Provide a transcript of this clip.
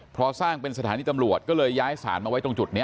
พอสร้างเป็นสถานีตำรวจก็เลยย้ายสารมาไว้ตรงจุดนี้